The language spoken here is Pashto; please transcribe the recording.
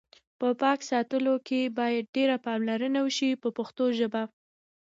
په پاک ساتلو کې باید ډېره پاملرنه وشي په پښتو ژبه.